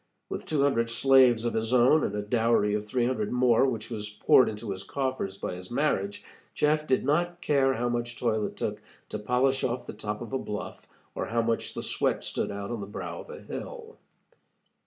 With two hundred slaves of his own, and a dowry of three hundred more which was poured into his coffers by his marriage, Jeff did not care how much toil it took to polish off the top of a bluff or how much the sweat stood out on the brow of a hill.